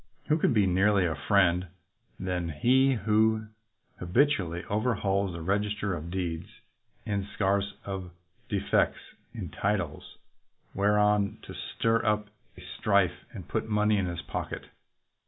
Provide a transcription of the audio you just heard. Who can be more nearly a fiend than he who 102 THE MANAGING CLERK habitually overhauls the register of deeds in search of defects in titles, whereon to stir up strife and put money in his pocket?